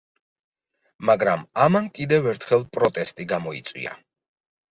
მაგრამ ამან კიდევ ერთხელ პროტესტი გამოიწვია.